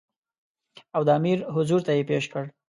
او د امیر حضور ته یې پېش کړ.